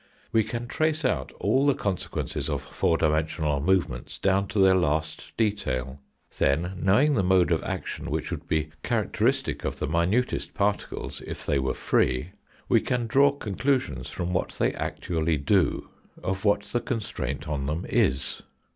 We can trace out all the consequences of four dimen sional movements down to their last detail. Then, knowing THE HIGHER WORLD. 75 the mode of action which would be characteristic of the mioutest particles, if they were free, we can draw con clusions from what they actually do of what the constraint on them is.